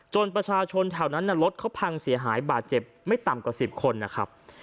ประชาชนแถวนั้นรถเขาพังเสียหายบาดเจ็บไม่ต่ำกว่า๑๐คนนะครับ